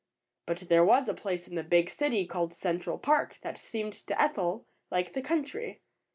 But there was a place in the big city called Central Park that seemed to Ethel like the country.